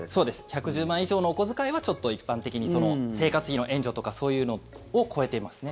１１０万円以上のお小遣いはちょっと一般的に生活費の援助とかそういうのを超えていますね。